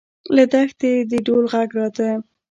له دښتې د ډول غږ راته.